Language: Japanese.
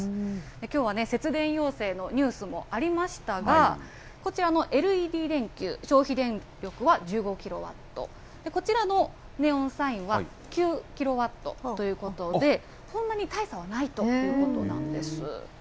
きょうはね、節電要請のニュースもありましたが、こちらのＬＥＤ電球、消費電力は１５キロワット、こちらのネオンサインは９キロワットということで、そんなに大差はないということなんです。